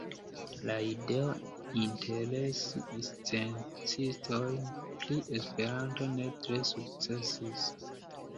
La ideo interesi sciencistojn pri Esperanto ne tre sukcesis.